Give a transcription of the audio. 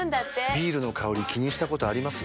ビールの香り気にしたことあります？